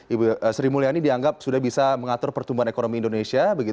ibu sri mulyani dianggap sudah bisa mengatur pertumbuhan ekonomi indonesia